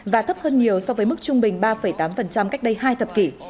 và thấp hơn nhiều so với mức trung bình ba tám cách đây hai thập kỷ